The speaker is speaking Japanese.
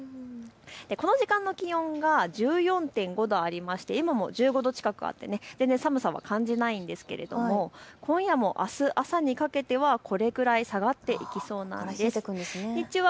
この時間の気温が１４．５度ありまして今も１５度近くあって全然寒さは感じないんですけれども今夜もあす朝にかけてはこれくらい下がっていきそうなんです。